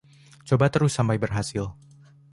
coba terus sampai berhasil